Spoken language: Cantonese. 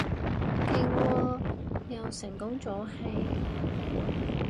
勁喎，又成功早起